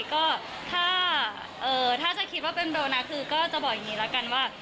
ก็ถ้าจะคิดว่าเป็นโบนัสคือก็จะบอกอย่างนี้แล้วกันว่า